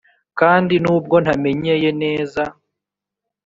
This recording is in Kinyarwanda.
kandi nubwo ntamenyeye neza